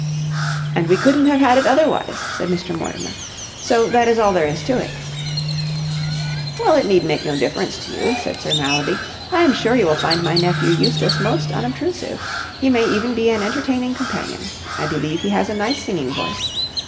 "And we couldn't have had it otherwise," said Mr. Mortimer, "so that is all there is to it." "Well, it need make no difference to you," said Sir Mallaby. "I am sure you will find my nephew Eustace most unobtrusive. He may even be an entertaining companion. I believe he has a nice singing voice.